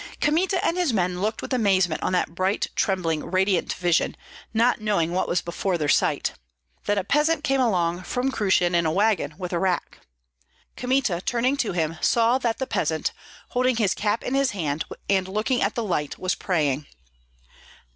Kmita and his men looked with amazement on that bright, trembling, radiant vision, not knowing what was before their sight. Then a peasant came along from Krushyn in a wagon with a rack. Kmita turning to him saw that the peasant, holding his cap in his hand and looking at the light, was praying.